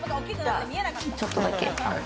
ちょっとだけ。